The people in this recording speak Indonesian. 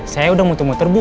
saya udah muter muter bu